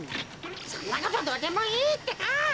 そんなことどうでもいいってか！